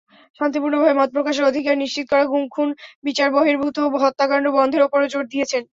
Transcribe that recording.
শান্তিপূর্ণভাবে মতপ্রকাশের অধিকার নিশ্চিত করা, গুম-খুন, বিচারবহির্ভূত হত্যাকাণ্ড বন্ধের ওপরও জোর দিয়েছেন।